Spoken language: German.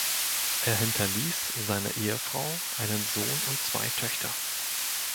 Er hinterließ seine Ehefrau, einen Sohn und zwei Töchter.